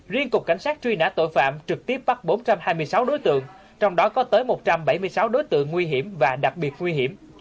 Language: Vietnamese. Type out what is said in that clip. riêng cục cảnh sát truy nã tội phạm trực tiếp bắt bốn trăm hai mươi sáu đối tượng trong đó có tới một trăm bảy mươi sáu đối tượng nguy hiểm và đặc biệt nguy hiểm